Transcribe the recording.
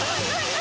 何？